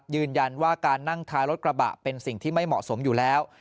ยืนยันว่าการนั่งท้ายรถกระบะเป็นสิ่งที่ไม่เหมาะสมอยู่แล้ว